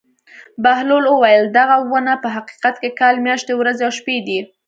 بهلول وویل: دغه ونه په حقیقت کې کال میاشتې ورځې او شپې دي.